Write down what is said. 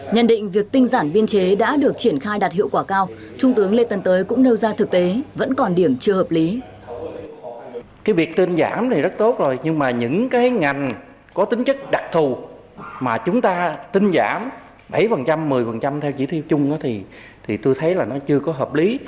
nhận định việc tinh giản biên chế đã được triển khai đạt hiệu quả cao trung tướng lê tân tới cũng nêu ra thực tế vẫn còn điểm chưa hợp lý